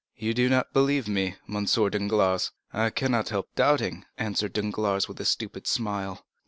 You do not believe me, M. Danglars!" "I cannot help doubting," answered Danglars with his stupid smile.